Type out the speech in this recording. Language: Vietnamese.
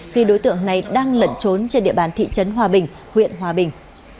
khi đối tượng này đang lẩn trốn trên địa bàn thị trấn hòa bình huyện hòa bình